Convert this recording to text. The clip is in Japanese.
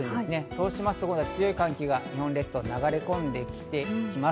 そうしますと強い寒気が日本列島に流れ込んでいきます。